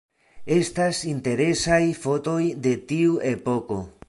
Estas interesaj fotoj de tiu epoko.